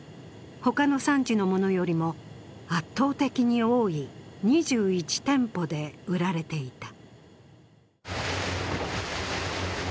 他の産地のものよりも圧倒的に多い２１店舗で売られていた。